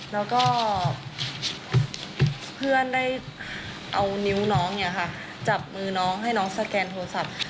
แล้วก็เพื่อนได้เอานิ้วน้องจับมือน้องให้น้องสแกนโทรศัพท์